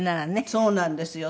そうなんですよ。